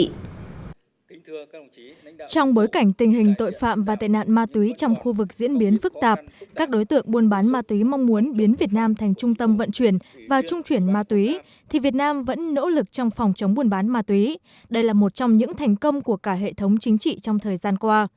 trong bối cảnh tình hình tội phạm và tệ nạn ma túy trong khu vực diễn biến phức tạp các đối tượng buôn bán ma túy mong muốn biến việt nam thành trung tâm vận chuyển và trung chuyển ma túy thì việt nam vẫn nỗ lực trong phòng chống buôn bán ma túy đây là một trong những thành công của cả hệ thống chính trị trong thời gian qua